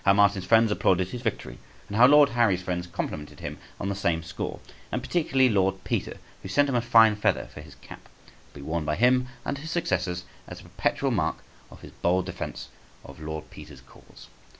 How Martin's friends applauded his victory, and how Lord Harry's friends complimented him on the same score, and particularly Lord Peter, who sent him a fine feather for his cap {160b}, to be worn by him and his successors as a perpetual mark for his bold defence of Lord Peter's cause.